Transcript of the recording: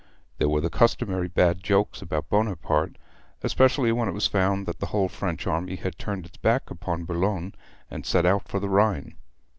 There were the customary bad jokes about Buonaparte, especially when it was found that the whole French army had turned its back upon Boulogne and set out for the Rhine.